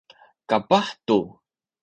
kapah tu